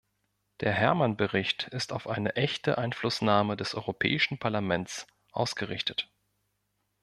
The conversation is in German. Der Herman-Bericht ist auf eine echte Einflussnahme des Europäischen Parlaments ausgerichtet.